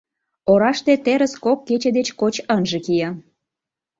Ораште терыс кок кече деч коч ынже кие.